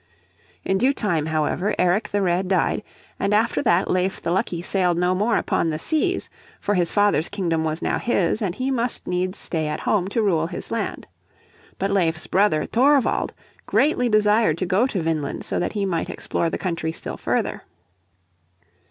In due time, however, Eric the Red died, and after that Leif the Lucky sailed no more upon the seas, for his father's kingdom was now his, and he must needs stay at home to rule his land. But Leif's brother Thorvald greatly desired to go to Vineland so that he might explore the country still further.